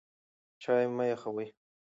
چای مه یخوئ.